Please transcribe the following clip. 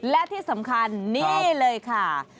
และที่สำคัญนี่เลยค่ะ